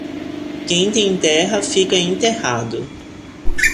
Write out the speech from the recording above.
Quem tem terra, fica enterrado.